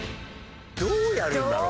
どうやるんだろう？